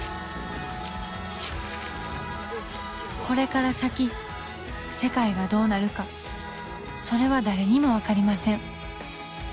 これから先世界はどうなるかそれは誰にも分かりません。